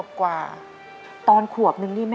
ขอเอ็กซาเรย์แล้วก็เจาะไข่ที่สันหลังค่ะ